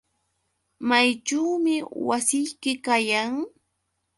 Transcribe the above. ¿Mayćhuumi wasiyki kayan?